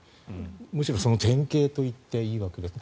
むしろその典型と言っていいわけです。